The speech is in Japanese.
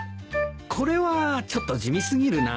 これはちょっと地味過ぎるな。